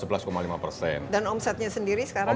dan omsetnya sendiri sekarang